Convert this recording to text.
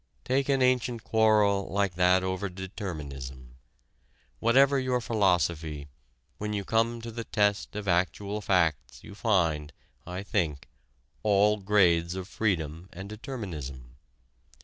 Take an ancient quarrel like that over determinism. Whatever your philosophy, when you come to the test of actual facts you find, I think, all grades of freedom and determinism.